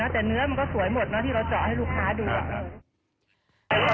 แต่เนื้อมันก็สวยหมดนะที่เราเจาะให้ลูกค้าดู